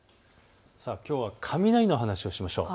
きょうは雷の話をしましょう。